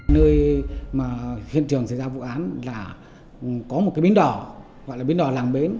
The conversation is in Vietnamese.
nơi mà hiện trường xảy ra vụ án là có một cái bến đỏ gọi là bến đỏ làng bến